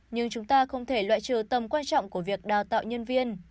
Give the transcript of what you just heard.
nhưng chúng ta không thể loại trừ tầm quan trọng của việc đào tạo nhân viên